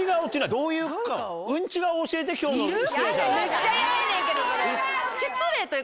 めっちゃ嫌やねんけどそれ。